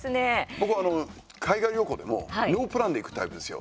僕、海外旅行でもノープランで行くタイプですよ。